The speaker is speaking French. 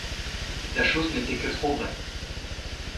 La chose n’était que trop vraie.